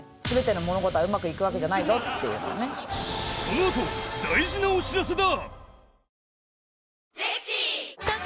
このあと大事なお知らせだ！